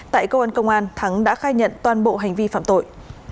tại cơ quan công an thắng đã khai nhận toàn bộ hành vi phạm tội